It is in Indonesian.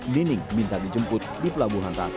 nining minta dijemput di pelabuhan ratu